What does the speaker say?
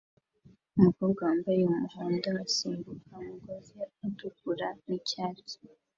Umukobwa wambaye umuhondo asimbuka umugozi utukura nicyatsi